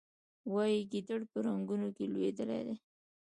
وایي ګیدړ په رنګونو کې لوېدلی و.